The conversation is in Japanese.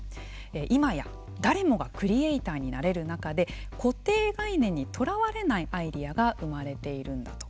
今や、誰もがクリエーターになれる中で固定概念にとらわれないアイデアが生まれているんだと。